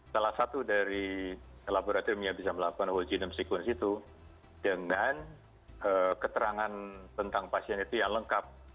salah satu dari laboratorium yang bisa melakukan whole genome sequence itu dengan keterangan tentang pasien itu yang lengkap